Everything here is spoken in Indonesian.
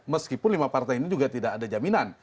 meskipun lima partai ini juga tidak ada jaminan